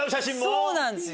そうなんですよ